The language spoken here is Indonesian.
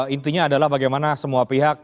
intinya adalah bagaimana semua pihak